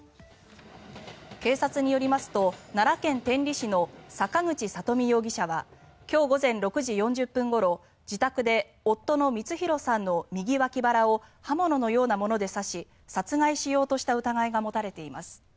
警察によりますと奈良県天理市の坂口佐登美容疑者は今日午前６時４０分ごろ自宅で夫の充弘さんの右脇腹を刃物のようなもので刺し殺害しようとした疑いが持たれています。